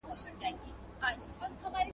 دوه شاهان په یوه ملک کي نه ځاییږي